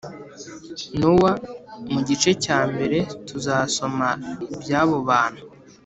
nowa. mu gice cya mbere tuzasoma iby’abo bantu